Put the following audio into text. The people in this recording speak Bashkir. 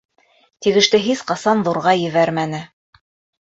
Тик эште һис ҡасан ҙурға ебәрмәне.